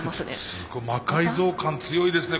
すごっ魔改造感強いですね